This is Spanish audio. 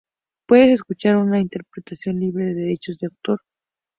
Puedes escuchar una interpretación libre de Derechos de Autor.